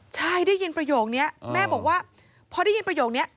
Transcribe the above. ใช่ได้ยินประโยคนี้แม่บอกว่าพอได้ยินประโยคนี้